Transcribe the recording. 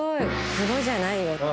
「風呂じゃないよ」